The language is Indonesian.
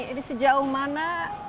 ini sejauh mana